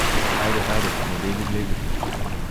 — Хайде, хайде, недей го глези.